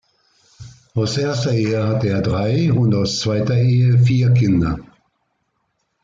Aus erster Ehe hatte er drei und aus zweiter Ehe vier Kinder.